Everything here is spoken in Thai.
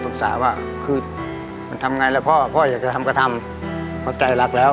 ว่าคือมันทำไงแล้วพ่อพ่ออยากจะทำก็ทำเพราะใจรักแล้ว